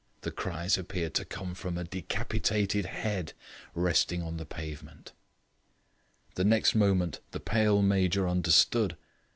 The cries appeared to come from a decapitated head resting on the pavement. The next moment the pale Major understood.